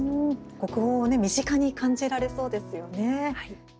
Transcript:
国宝を身近に感じられそうですよね。